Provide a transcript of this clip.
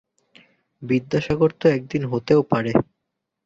বিদ্যাসাগর তো একদিন হতেও পারে।